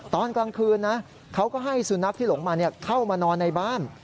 ตอนกลางคืนนะเขาก็ให้สุนัขที่หลงมาเข้ามานอนในบ้าน